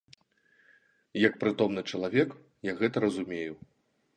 Як прытомны чалавек, я гэта разумею.